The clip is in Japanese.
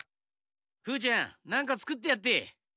フーちゃんなんかつくってやって。